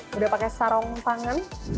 sudah pakai sarong tangan